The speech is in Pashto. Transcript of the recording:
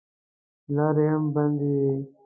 لارې هم بندې وې.